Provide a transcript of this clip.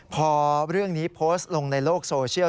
พอเรื่องนี้โพสต์ลงในโลกโซเชียล